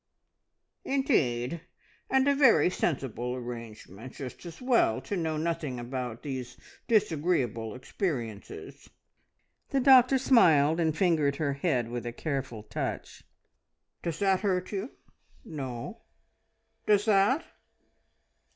"Indeed! and a very sensible arrangement. Just as well to know nothing about these disagreeable experiences." The doctor smiled, and fingered her head with a careful touch. "Does that hurt you? No? Does that?